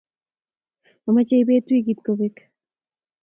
mamechee Ipet wikit kopek